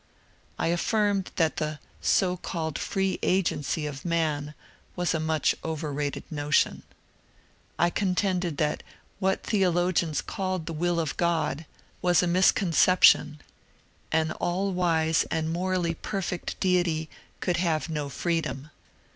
I affirmed that the so called free agency of man was a much overrated notion. I contended that what theologians called the Will of God was a miscon 306 MONCUEE DANIEL CONWAY oeption ; an all wise and morally perfect deity could have no freedom.